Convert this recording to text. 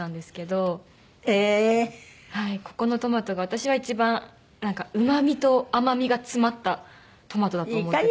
ここのトマトが私は一番なんかうまみと甘みが詰まったトマトだと思ってて。